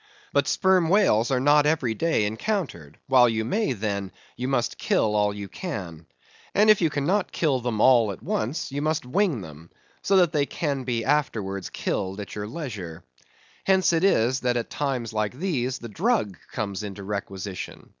But sperm whales are not every day encountered; while you may, then, you must kill all you can. And if you cannot kill them all at once, you must wing them, so that they can be afterwards killed at your leisure. Hence it is, that at times like these the drugg, comes into requisition.